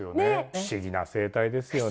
不思議な生態ですよね。